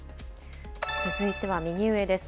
続いては右上です。